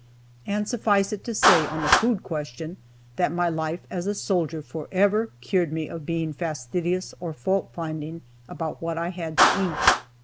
And suffice it to say, on the food question, that my life as a soldier forever cured me of being fastidious or fault finding about what I had to eat.